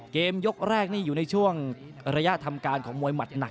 เกมยกแรกนี่อยู่ในช่วงระยะทำการของมวยหมัดหนัก